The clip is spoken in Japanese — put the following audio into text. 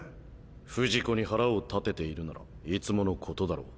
不二子に腹を立てているならいつものことだろう。